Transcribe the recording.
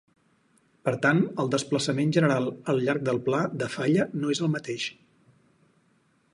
Per tant, el desplaçament general al llarg del pla de falla no és el mateix.